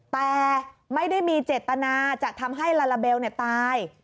แต่ไม่ได้มีเจตนาจะทำให้ลาลาเบลตาย